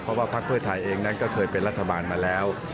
เพราะว่าพักเพื่อไทยเองนั้นก็เคยเป็นรัฐบาลมาแล้ว